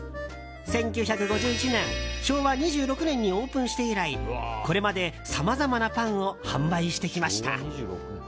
１９５１年、昭和２６年にオープンして以来これまで、さまざまなパンを販売してきました。